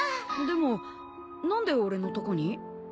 でも何で俺のとこに？